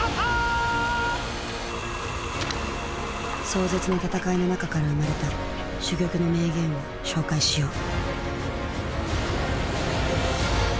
壮絶な戦いの中から生まれた珠玉の名言を紹介しよう。